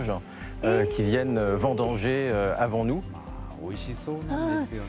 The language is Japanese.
おいしそうなんですよね。